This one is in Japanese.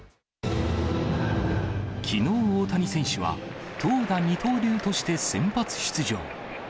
きのう、大谷選手は、投打二刀流として先発出場。